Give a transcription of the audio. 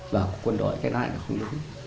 và quân đội cái này là không đúng